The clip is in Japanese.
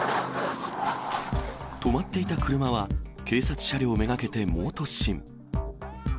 止まっていた車は、警察車両目がけて猛突進。